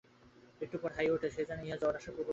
একটু পরে হাই ওঠে, সে জানে ইহা জ্বর আসার পুর্বলক্ষণ।